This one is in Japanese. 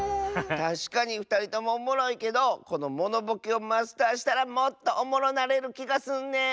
たしかにふたりともおもろいけどこのモノボケをマスターしたらもっとおもろなれるきがすんねん！